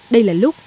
đây là lúc